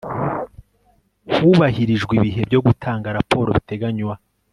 Hubahirijwe ibihe byo gutanga raporo biteganywa